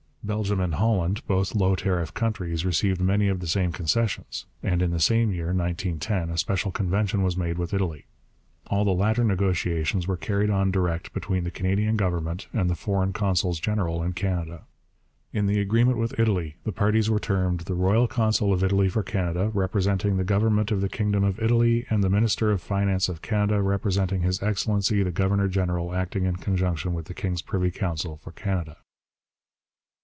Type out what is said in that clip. Belgium and Holland, both low tariff countries, received many of the same concessions, and in the same year (1910) a special convention was made with Italy. All the latter negotiations were carried on direct between the Canadian Government and the foreign consuls general in Canada. In the agreement with Italy the parties were termed 'the Royal Consul of Italy for Canada, representing the government of the Kingdom of Italy, and the Minister of Finance of Canada, representing His Excellency the Governor General acting in conjunction with the King's Privy Council for Canada.'